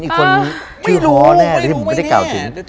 อีกคนชื่อฮ้อแน่ที่ผมก็ได้เก่าถึง